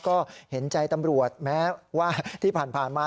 ก็เห็นใจตำรวจแม้ว่าที่ผ่านมา